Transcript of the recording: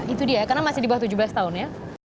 itu dia karena masih di bawah tujuh belas tahun ya